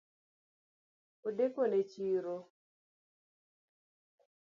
Adekone chiro